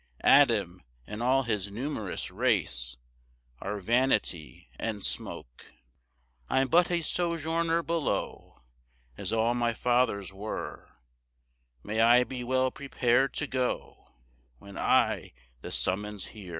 Adam and all his numerous race Are vanity and smoke.] 6 I'm but a sojourner below, As all my fathers were, May I be well prepar'd to go When I the summons hear.